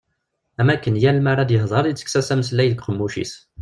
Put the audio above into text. Am wakken yal mi ara d-yehder yettekkes-as ameslay deg uqemmuc-is.